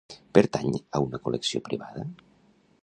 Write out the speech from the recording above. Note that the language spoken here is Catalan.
Per a una col·lecció privada?